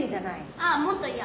あもっといや。